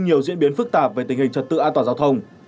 nhiều diễn biến phức tạp về tình hình trật tự an toàn giao thông